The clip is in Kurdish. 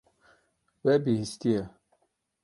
Wê bihîstiye.